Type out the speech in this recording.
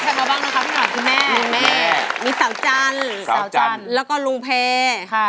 สวัสดีครับคุณหน่อย